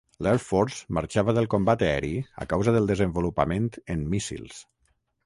L'Air Force marxava del combat aeri a causa del desenvolupament en míssils.